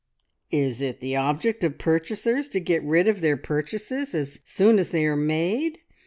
"Is it the object of purchasers to get rid of their purchases as soon as they are made?